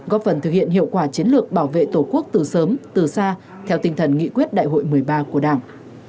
góp phần thực hiện hiệu quả chiến lược bảo vệ tổ quốc từ sớm từ xa theo tinh thần nghị quyết đại hội một mươi ba của đảng